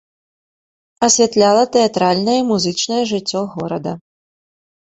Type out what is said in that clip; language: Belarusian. Асвятляла тэатральнае і музычнае жыццё горада.